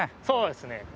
そうですね。